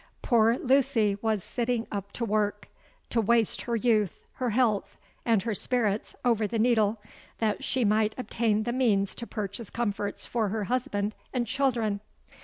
Poor Lucy was sitting up to work—to waste her youth, her health, and her spirits over the needle, that she might obtain the means to purchase comforts for her husband and children!